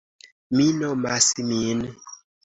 Mi nomas min.